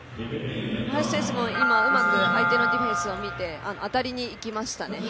林選手も今、うまく相手のディフェンスを見て当たりにいきましたね。